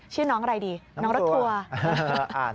ชื่อน้องอะไรดีน้องรถทัวร์